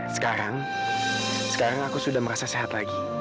sekarang sekarang aku sudah merasa sehat lagi